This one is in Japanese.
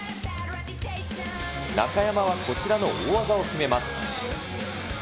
中山はこちらの大技を決めます。